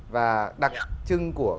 và đặc trưng của